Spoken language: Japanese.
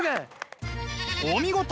お見事！